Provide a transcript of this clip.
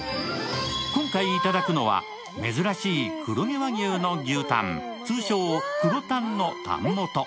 今回いただくのは珍しい黒毛和牛の牛タン、通称・黒タンのタン元。